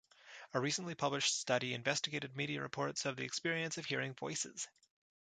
A recently published study investigated media reports of the experience of hearing voices.